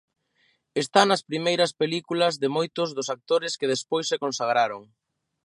Está nas primeiras películas de moitos dos actores que despois se consagraron.